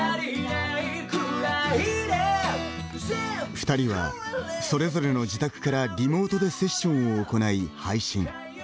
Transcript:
二人は、それぞれの自宅からリモートでセッションを行い配信。